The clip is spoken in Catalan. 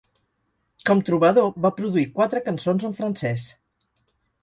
Com trobador, va produir quatre cançons en francès.